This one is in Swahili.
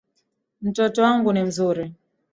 Mtoto wangu ni mzuri